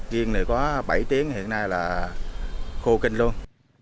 viên này có bảy tuyến hiện nay là khô kinh luôn